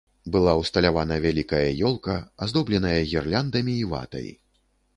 Была ўсталявана вялікая ёлка, аздобленая гірляндамі і ватай.